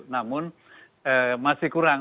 namun masih kurang